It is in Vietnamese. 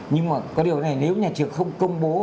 nhưng mà có điều này nếu nhà trường không công bố